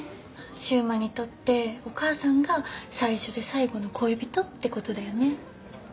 柊磨にとってお母さんが最初で最後の恋人ってことだよね。